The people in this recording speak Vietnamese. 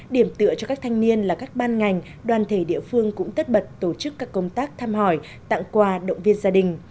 điểm tựa cho các thanh niên là các ban ngành đoàn thể địa phương cũng tất bật tổ chức các công tác thăm hỏi tặng quà động viên gia đình